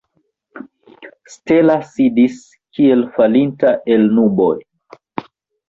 Stella sidis, kiel falinta el nuboj.